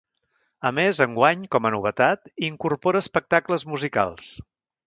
A més, enguany, com a novetat, incorpora espectacles musicals.